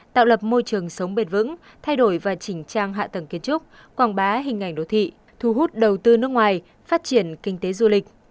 tạo lập môi trường sống bền vững thay đổi và chỉnh trang hạ tầng kiến trúc quảng bá hình ảnh đô thị thu hút đầu tư nước ngoài phát triển kinh tế du lịch